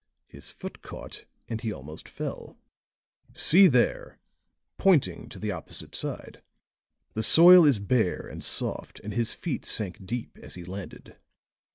His foot caught and he almost fell. See there," pointing, to the opposite side; "the soil is bare and soft and his feet sank deep as he landed."